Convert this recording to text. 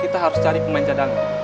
kita harus cari pemain cadangan